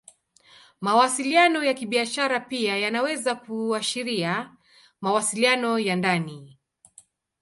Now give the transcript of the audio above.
Mawasiliano ya Kibiashara pia yanaweza kuashiria mawasiliano ya ndani.